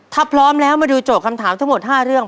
ถ้าพร้อมแล้วมาดูโจทย์คำถามทั้งหมด๕เรื่อง